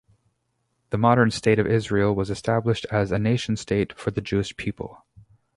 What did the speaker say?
The modern State of Israel was established as a nation-state for the Jewish people.